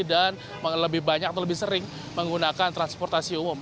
dan lebih banyak atau lebih sering menggunakan transportasi umum